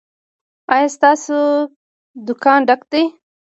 ایا ستاسو دکان ډک دی؟